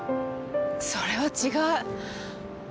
それは違う。